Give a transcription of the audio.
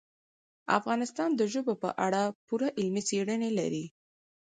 افغانستان د ژبو په اړه پوره علمي څېړنې لري.